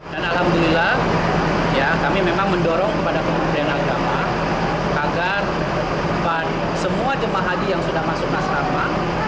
dan alhamdulillah kami memang mendorong kepada kementerian agama agar semua jemaah haji yang sudah masuk asrama